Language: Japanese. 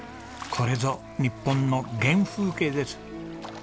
これぞ日本の原風景です。